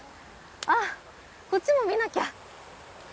あっこっちも見なきゃ。